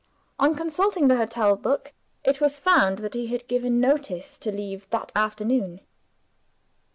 On consulting the hotel book it was found that he had given notice to leave, that afternoon.